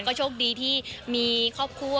ก็โชคดีที่มีครอบครัว